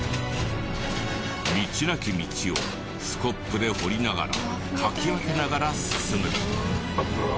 道なき道をスコップで掘りながらかき分けながら進む。